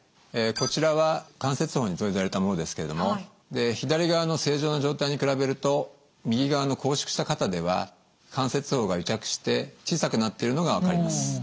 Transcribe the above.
こちらは関節包に造影剤を入れたものですけれども左側の正常な状態に比べると右側の拘縮した肩では関節包が癒着して小さくなってるのが分かります。